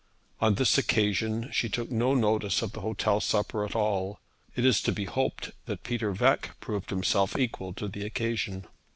On this occasion she took no notice of the hotel supper at all. It is to be hoped that Peter Veque proved himself equal to the occasion.